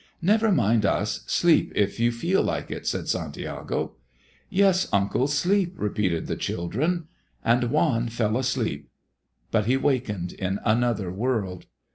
"Never mind us; sleep if you feel like it," said Santiago. "Yes, uncle, sleep," repeated the children. And Juan fell asleep, but he wakened in another world.